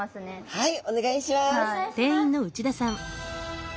はい。